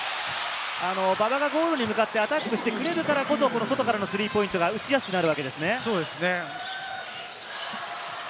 馬場がゴールに向かってアジャストしてくれるからこそ、外のスリーポイントが打ちやすくなるわけですね。